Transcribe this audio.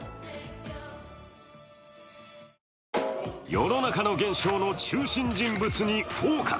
世の中の現象の中心人物に「ＦＯＣＵＳ」。